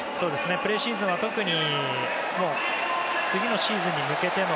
プレシーズンは特に次のシーズンに向けての。